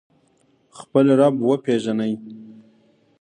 خپل رب وپیژنئ